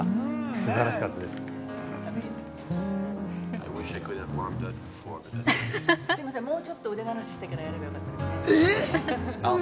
素晴らもうちょっと腕慣らししてからやればよかったですね。